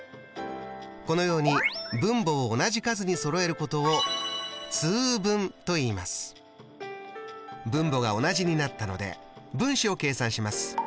このように分母を同じ数にそろえることを分母が同じになったので分子を計算します。